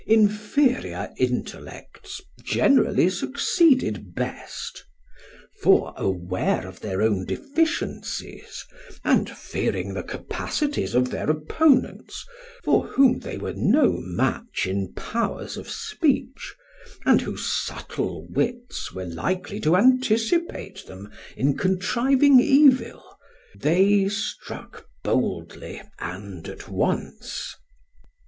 Inferior intellects generally succeeded best. For aware of their own deficiencies, and fearing the capacities of their opponents, for whom they were no match in powers of speech, and whose subtle wits were likely to anticipate them in contriving evil, they struck boldly and at once.